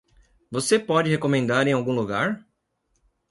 Você pode recomendar em algum lugar?